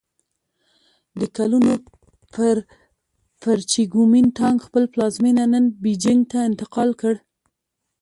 د کلونو پر چې ګومین ټانګ خپل پلازمېنه نن بیجینګ ته انتقال کړ.